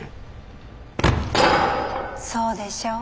そうでしょう。